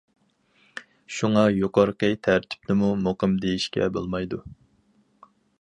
شۇڭا، يۇقىرىقى تەرتىپنىمۇ مۇقىم دېيىشكە بولمايدۇ.